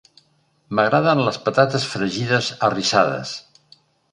M'agraden les patates fregides arrissades.